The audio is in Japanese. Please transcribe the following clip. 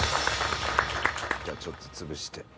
じゃちょっとつぶして。